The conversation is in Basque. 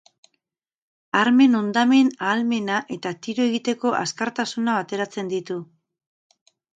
Armen hondamen-ahalmena eta tiro egiteko azkartasuna bateratzen ditu.